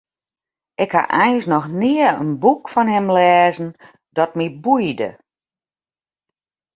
Ik ha eins noch nea in boek fan him lêzen dat my boeide.